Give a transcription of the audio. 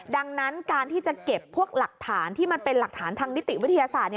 ดังนั้นการที่จะเก็บพวกหลักฐานที่มันเป็นหลักฐานทางนิติวิทยาศาสตร์